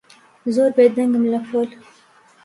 زۆر بێدەنگم لە پۆل.